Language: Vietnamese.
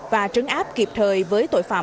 và trấn áp kịp thời với tội phạm